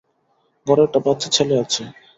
ঘরে একটা বাচ্চা ছেলে আছে।